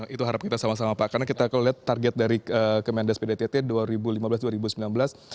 itu harap kita sama sama pak karena kita kalau lihat target dari kementerian dias kementerian dias pdi tet